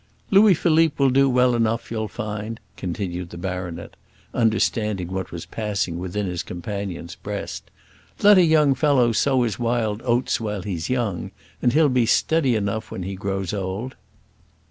"Louis Philippe will do well enough, you'll find," continued the baronet, understanding what was passing within his companion's breast. "Let a young fellow sow his wild oats while he is young, and he'll be steady enough when he grows old."